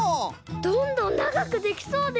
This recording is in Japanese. どんどんながくできそうです。